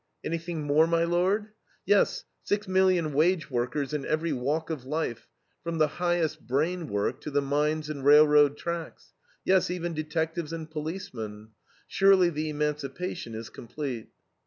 Anything more, my lord? Yes, six million wage workers in every walk of life, from the highest brain work to the mines and railroad tracks; yes, even detectives and policemen. Surely the emancipation is complete.